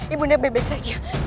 ibu nel baik baik saja